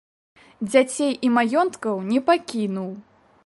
Дзяцей і маёнткаў не пакінуў.